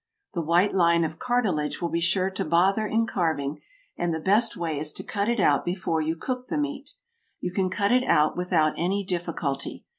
The white line of cartilage will be sure to bother in carving, and the best way is to cut it out before you cook the meat. You can cut it out without any difficulty.